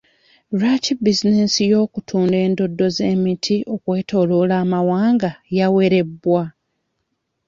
Lwaki bizinensi y'okutunda endoddo z'emiti okwetoloola amawanga yawerebwa?